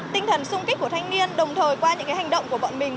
tinh thần sung kích của thanh niên đồng thời qua những hành động của bọn mình